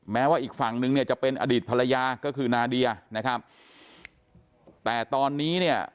แม้ว่าอีกฝั่งนึงเนี่ยจะเป็นอดีตภรรยาก็คือนาเดียนะครับแต่ตอนนี้เนี่ย